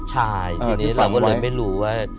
ใช่ทีนี้เราก็เลยไม่รู้ว่า